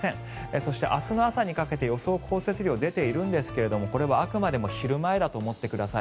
そして、明日の朝にかけて予想降雪量が出ているんですがこれはあくまでも昼前だと思ってください。